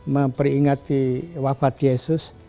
memperingati wafat yesus